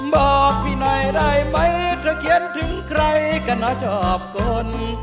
บอกพี่หน่อยได้ไหมถ้าเขียนถึงใครก็น่าชอบตน